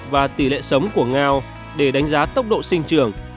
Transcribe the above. và tỷ lệ sống của ngao để đánh giá tốc độ sinh trường